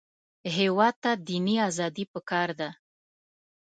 هېواد ته دیني ازادي پکار ده